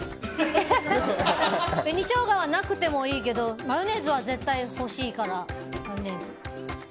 紅ショウガはなくてもいいけどマヨネーズは絶対欲しいからマヨネーズ。